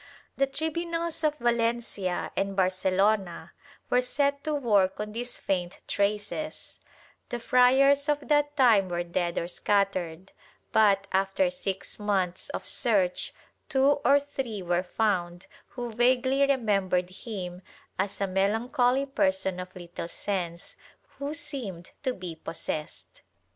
The tribunals of Valencia and Barcelona were set to work on these faint traces; the friars of that time were dead or scattered, but, after six months of search, two or three were found who vaguely remembered him as a melancholy person of httle sense, who seemed to be possessed.